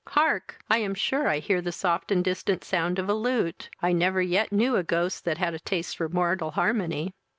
Hark! I am sure I hear the soft and distant sound of a lute. I never yet knew a ghost that had a taste for Mortal harmony."